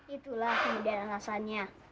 itulah kemudian alasannya